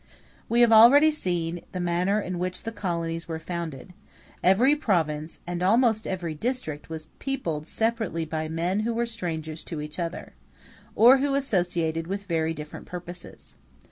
We have already seen the manner in which the colonies were founded: every province, and almost every district, was peopled separately by men who were strangers to each other, or who associated with very different purposes.